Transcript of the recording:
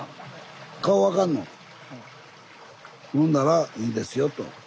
ほんならいいですよと。